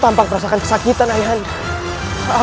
tampak merasakan kesakitan ayah anda